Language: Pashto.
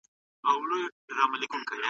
سياسي قدرت د افرادو له مجموعې څخه جوړيږي.